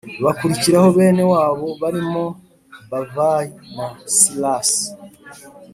Hakurikiraho bene wabo barimo Bavayi na silasi